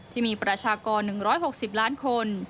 ที่มีประชากร๑๖๐ล้านคน